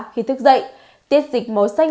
khi thức dậy tiết dịch màu xanh